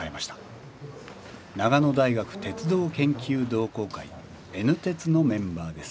「長野大学鉄道研究同好会Ｎ鉄」のメンバーです。